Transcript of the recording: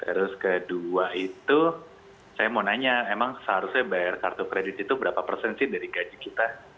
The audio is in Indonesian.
terus kedua itu saya mau nanya emang seharusnya bayar kartu kredit itu berapa persen sih dari gaji kita